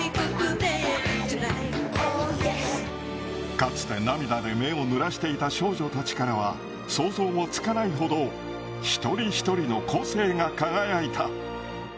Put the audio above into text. かつて涙で目をぬらしていた少女たちからは、想像もつかないほど一人一人の個性が輝いた。